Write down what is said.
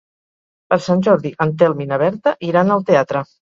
Per Sant Jordi en Telm i na Berta iran al teatre.